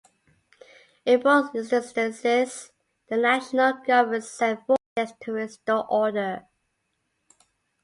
In both instances, the national government sent forces to restore order.